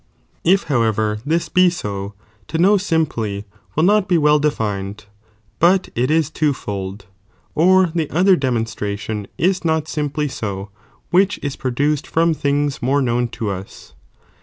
* If however this be so, to know simply »i>i' Meuji. will not be well defined, but it is two fold,' or the other demonstration is not airaply so which is pro »,!'™ ctia ^"''^^ f™ni things more known to us.